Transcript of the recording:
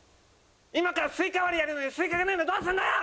今からスイカ割りやるのにスイカがないのどうすんだよ！